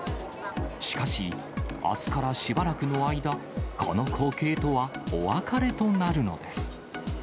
しかし、あすからしばらくの間、この光景とはお別れとなるのです。